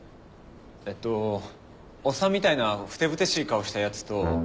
えっとおっさんみたいなふてぶてしい顔したやつと。